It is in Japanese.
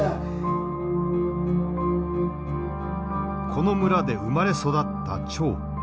この村で生まれ育った張。